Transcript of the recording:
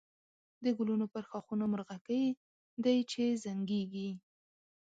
د گلونو پر ښاخونو مرغکۍ دی چی زنگېږی